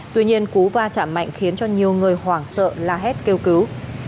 tuy nhiên cú va chạm mạnh khiến cho nhiều người hoảng sợ la hét kêu cứu